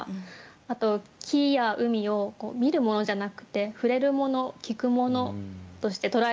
あと樹や海を見るものじゃなくて触れるもの聴くものとして捉えてる。